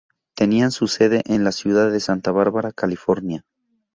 Tenían su sede en la ciudad de Santa Bárbara, California.